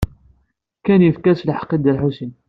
Ken yefka-as lḥeqq i Dda Lḥusin.